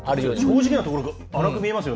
正直なところ、粗く見えますよね。